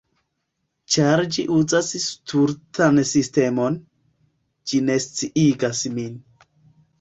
Ĉar ĝi uzas stultan sistemon... ĝi ne sciigas min